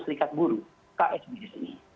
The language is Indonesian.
serikat buruh ksb di sini